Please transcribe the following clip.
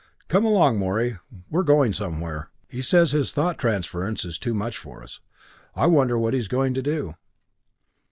"Come along, Morey we're going somewhere. He says this thought transference is too much for us. I wonder what he is going to do?"